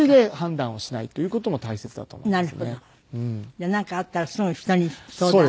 じゃあなんかあったらすぐに人に相談する。